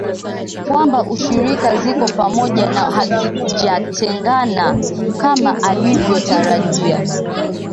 kwamba ushirika ziko pamoja na hazijatengana kama alivyotarajia